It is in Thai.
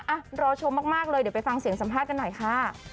อ่ะรอชมมากเลยเดี๋ยวไปฟังเสียงสัมภาษณ์กันหน่อยค่ะ